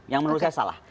yang menurut saya salah